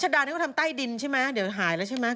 ดานี่เขาทำใต้ดินใช่ไหมเดี๋ยวหายแล้วใช่ไหม